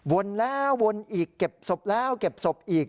วนแล้ววนอีกเก็บศพแล้วเก็บศพอีก